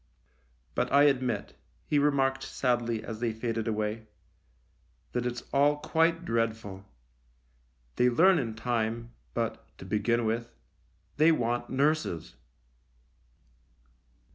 " But I admit," he remarked sadly as they faded away, " that it's all quite dreadful. They learn in time, but, to begin with, they want nurses."